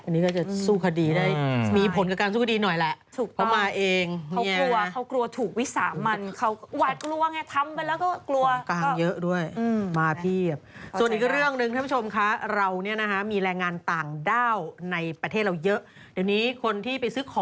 อันนี้ก็จะสู้คดีได้มีผลกับการสู้คดีหน่อยแหละ